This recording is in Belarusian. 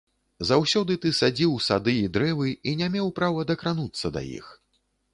Заўсёды ты садзіў сады і дрэвы і не меў права дакрануцца да іх.